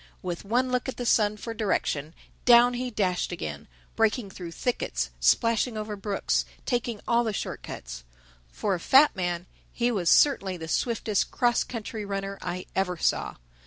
With one look at the sun for direction, down he dashed again, breaking through thickets, splashing over brooks, taking all the short cuts. For a fat man, he was certainly the swiftest cross country runner I ever saw.